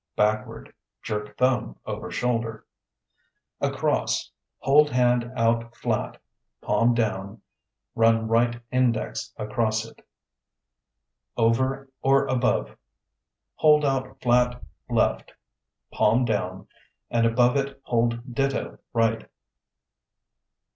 Backward (Jerk thumb over shoulder). Across (Hold left hand out flat, palm down, run right index across it). Over or Above (Hold out flat left, palm down, and above it hold ditto right).